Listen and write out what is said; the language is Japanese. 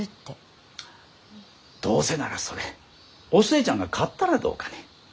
どうせならそれお寿恵ちゃんが買ったらどうかね？